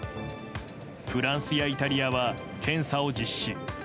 フランスやイタリアは検査を実施。